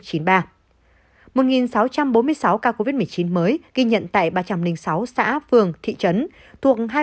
một sáu trăm bốn mươi sáu ca covid một mươi chín mới ghi nhận tại ba trăm linh sáu xã phường thị trấn thuộc hai mươi chín trên ba mươi ba